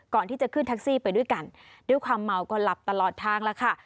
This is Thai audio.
ก่อนที่จะขึ้นแท็กซี่ไปด้วยกันด้วยความเมาก็หลับตลอดทางแล้วค่ะ